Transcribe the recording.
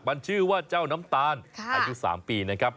มันชื่อว่าเจ้าน้ำตาลอายุ๓ปีนะครับ